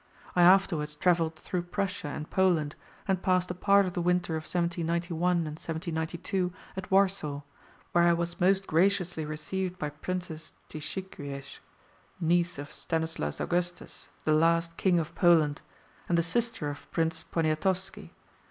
I afterwards travelled through Prussia and Poland, and passed a part of the winter of 1791 and 1792 at Warsaw, where I was most graciously received by Princess Tyszicwiez, niece of Stanislaus Augustus, the last King of Poland, and the sister of Prince Poniatowski.